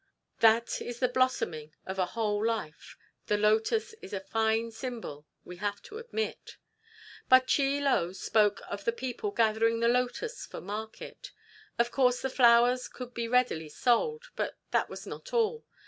That is the blossoming of a whole life. The lotus is a fine symbol, we have to admit. But Chie Lo spoke of the people gathering the lotus for market. Of course the flowers could be readily sold, but that was not all.